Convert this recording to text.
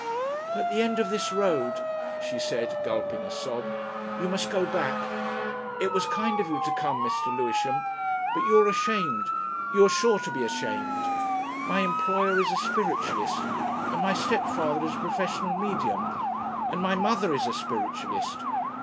"At the end of this road," she said, gulping a sob, "you must go back. It was kind of you to come, Mr. Lewisham. But you were ashamed you are sure to be ashamed. My employer is a spiritualist, and my stepfather is a professional Medium, and my mother is a spiritualist.